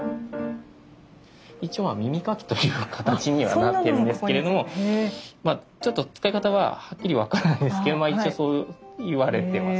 一応まあ耳かきという形にはなってるんですけれどもちょっと使い方ははっきり分からないんですけど一応そういわれてます。